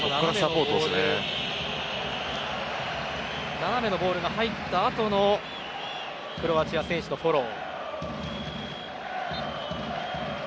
斜めのボールが入ったあとのクロアチア選手のフォロー。